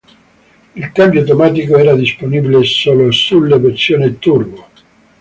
Il cambio automatico era disponibile solo sulle versioni Turbo.